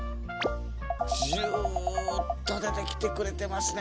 ジュっと出てきてくれてますね